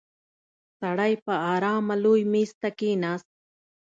سړی په آرامه لوی مېز ته کېناست.